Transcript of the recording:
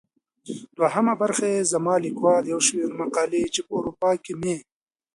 دوهمه برخه يې زما ليکوال يو شمېر مقالې چي په اروپا کې مي.